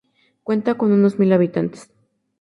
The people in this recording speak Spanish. Cuenta con unos mil habitantes.